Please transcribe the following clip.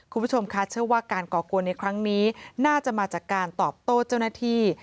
คุณผู้ชมคะเชื่อว่าการก่อกวนในครั้งนี้น่าจะมาจากการตอบโต้เจ้าหน้าที่